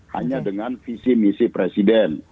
hanya dengan visi misi presiden